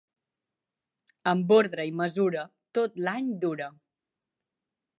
Amb ordre i mesura, tot l'any dura.